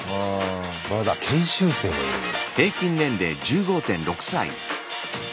まだ研修生もいるんだ。